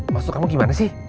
maksud kamu gimana sih